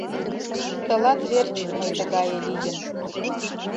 Тылат верч мый тыгае лийым.